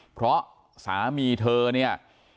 เพราะสามีเธอเนี่ย